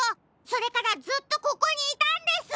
それからずっとここにいたんです！